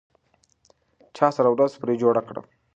چا سره ورځ پرې جوړه کړه؟